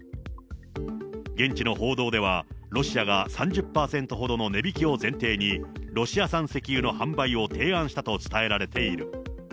現地の報道では、ロシアが３０％ほどの値引きを前提に、ロシア産石油の販売を提案したと伝えられている。